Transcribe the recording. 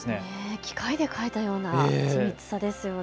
機械で描いたような精密さですよね。